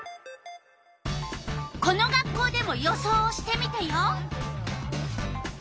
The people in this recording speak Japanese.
この学校でも予想をしてみたよ。